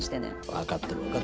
わかってるわかってる。